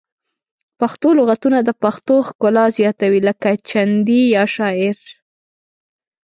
پښتو لغتونه د پښتو ښکلا زیاتوي لکه چندي یا شاعر